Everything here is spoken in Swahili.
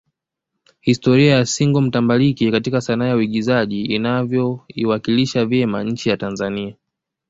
historia ya single mtambalike katika sanaa ya uingizaji anavyoiwakilisha vyema nchi ya Tanzania